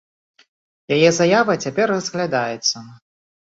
Яе заява цяпер разглядаецца.